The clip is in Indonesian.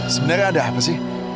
sebenarnya ada apa sih